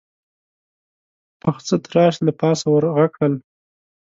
پخڅه تراش له پاسه ور غږ کړل: